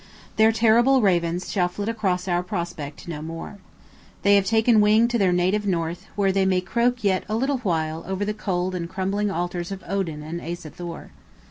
Their terrible ravens shall flit across our prospect no more. They have taken wing to their native north, where they may croak yet a little while over the cold and crumbling altars of Odin and Asa Thor.